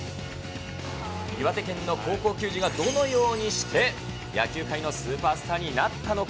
岩手県の高校球児がどのようにして野球界のスーパースターになったのか。